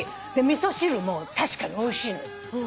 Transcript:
味噌汁も確かにおいしいのよ。